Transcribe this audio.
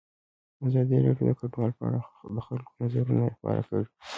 ازادي راډیو د کډوال په اړه د خلکو نظرونه خپاره کړي.